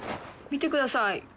見てください